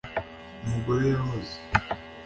umugore yahoze